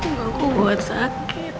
gak aku buat sakit